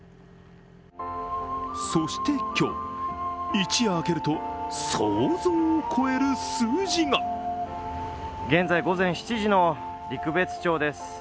そして、今日、一夜明けると想像を超える数字が現在、午前７時の陸別町です。